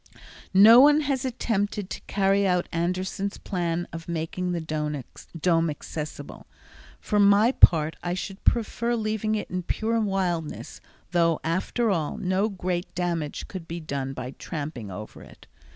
No one has attempted to carry out Anderson's plan of making the Dome accessible. For my part I should prefer leaving it in pure wildness, though, after all, no great damage could be done by tramping over it.